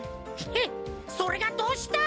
へっそれがどうした！